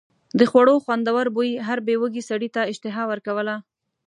د خوړو خوندور بوی هر بې وږي سړي ته اشتها ورکوله.